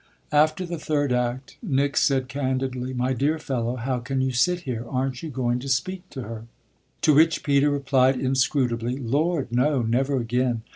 After the third act Nick said candidly: "My dear fellow, how can you sit here? Aren't you going to speak to her?" To which Peter replied inscrutably: "Lord, no, never again.